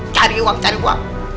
cari uang cari uang